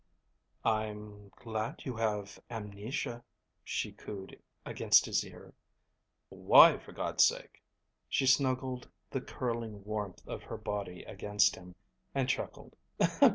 "I'm glad you have amnesia," she cooed against his ear. "Why, for God's sake?" She snuggled the curling warmth of her body against him and chuckled.